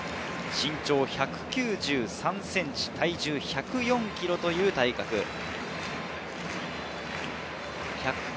身長１９３ｃｍ、体重１０４ｋｇという体格です。